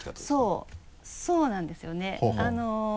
そうそうなんですよね。